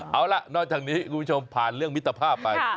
เอาล่ะนอกจากนี้คุณผู้ชมผ่านเรื่องมิตรภาพไป